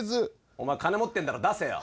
お前金持ってるだろ出せよ。